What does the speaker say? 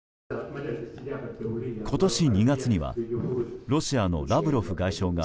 今年２月にはロシアのラブロフ外相が